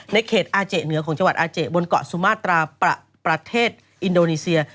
ในเขตอาเจเหนือของจังหวัดอาเจบนเกาะสุมาตราประเทศอินโดนีเซีย